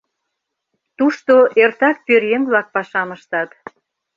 Тушто эртак пӧръеҥ-влак пашам ыштат.